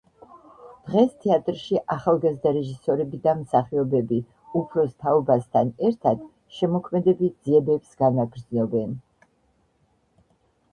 დღეს თეატრში ახალგაზრდა რეჟისორები და მსახიობები, უფროს თაობასთან ერთად, შემოქმედებით ძიებებს განაგრძობენ.